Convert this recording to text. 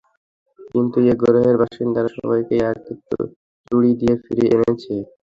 কিন্তু এ গ্রহের বাসিন্দারা সবাইকে এক তুড়ি দিয়ে ফিরিয়ে এনেছে।